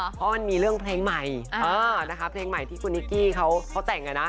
เพราะมันมีเรื่องเพลงใหม่นะคะเพลงใหม่ที่คุณนิกกี้เขาแต่งอ่ะนะ